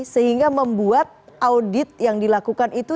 sehingga membuat audit yang dilakukan itu